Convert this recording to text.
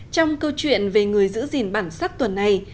trong câu chuyện về người giữ gìn bản sắc tuần này